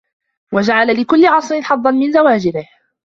وَجَعَلَ لِكُلِّ عَصْرٍ حَظًّا مِنْ زَوَاجِرِهِ